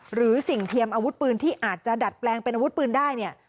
สิ่งเทียมอาวุธปืนที่อาจจะดัดแปลงเป็นอาวุธปืนได้เนี่ย